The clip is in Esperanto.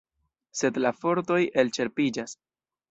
Sed la fortoj elĉerpiĝas.